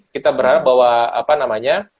kita berharap bahwa apa namanya